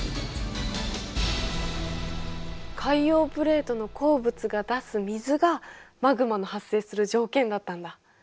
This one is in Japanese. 海洋プレートの鉱物が出す水がマグマの発生する条件だったんだ。